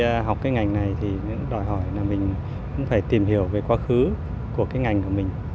và tôi học cái ngành này thì cũng đòi hỏi là mình cũng phải tìm hiểu về quá khứ của cái ngành của mình